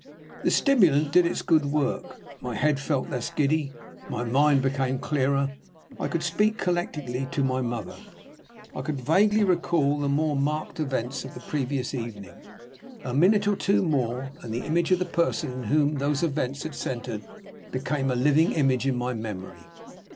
The stimulant did its good work. My head felt less giddy, my mind became clearer. I could speak collectedly to my mother; I could vaguely recall the more marked events of the previous evening. A minute or two more, and the image of the person in whom those events had all centered became a living image in my memory.